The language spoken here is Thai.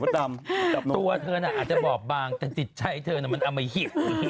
ตัวเธออาจจะบอบบางแต่จิตไช้เธอมันอามาเห็นนี่